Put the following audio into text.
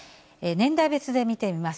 年代別で見てみます。